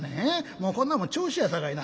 もうこんなんも調子やさかいな」。